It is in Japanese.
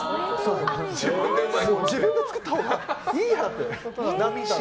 自分で作ったほうがいいやって。